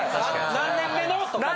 何年目のとかね。